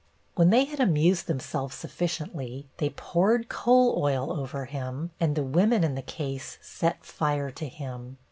When they had amused themselves sufficiently, they poured coal oil over him and the women in the case set fire to him.